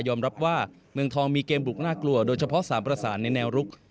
รับว่าเมืองทองมีเกมบุกน่ากลัวโดยเฉพาะสามประสานในแนวรุก